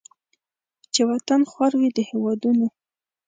چې وطن خوار وي د هیوادونو